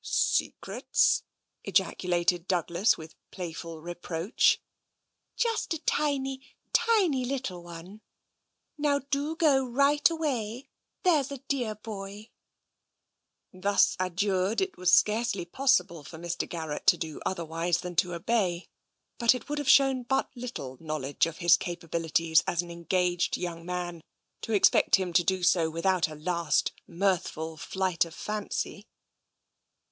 "Secrets?" ejaculated Douglas, with playful re proach. TENSION 173 " Just a tiny, tiny little one. Now do go right away, there's a dear boy." Thus adjured, it was scarcely possible for Mr. Gar rett to do otherwise than to obey, but it would have shown but little knowledge of his capabilities as an en gaged young man to expect him to do so without a last mirthful flight of fancy.